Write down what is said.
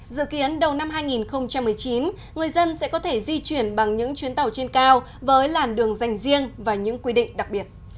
dự kiến đầu năm hai nghìn một mươi chín người dân sẽ có thể di chuyển bằng những chuyến tàu trên cao với làn đường dành riêng và những quy định đặc biệt